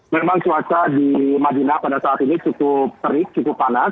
memang cuaca di madinah pada saat ini cukup terik cukup panas